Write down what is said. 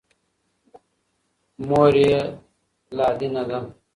مور یې لادینه ده.